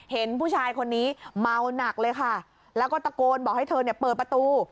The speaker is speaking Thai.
เห็นผู้ชายคนนี้เมาหนักเลยค่ะแล้วก็ตะโกนบอกให้เธอเนี่ยเปิดประตู